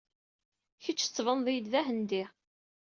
Kečč tettbaneḍ-iyi-d d Ahendi.